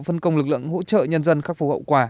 phân công lực lượng hỗ trợ nhân dân khắc phục hậu quả